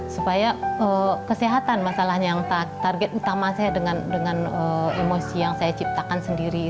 supaya kesehatan masalahnya yang target utama saya dengan emosi yang saya ciptakan sendiri